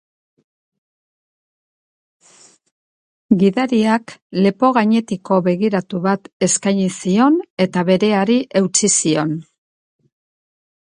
Gidariak lepo gainetiko begiratu bat eskaini zion eta bereari eutsi zion.